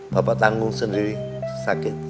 bapak tanggung sendiri sakitnya